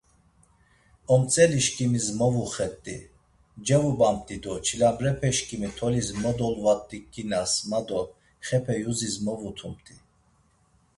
Omtzelişǩimis movuxet̆i, cevubamt̆i do çilambrepeşǩimi tolis mo dolvat̆iǩinas ma do xepe yuzis movutumt̆i.